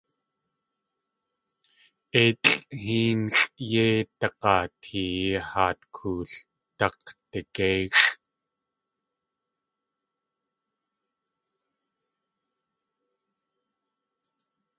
Éilʼ héenxʼ yéi dag̲aateeyi haat kool dak̲digéixʼ.